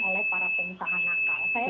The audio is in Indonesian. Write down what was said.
oleh para pengusaha nakal saya